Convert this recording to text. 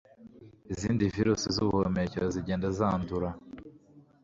izindi virusi z’ubuhumekero zingenda zandura